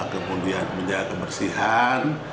kemudian menjaga kebersihan